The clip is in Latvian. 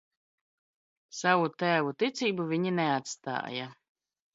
Savu tēvu ticību viņi neatstāja.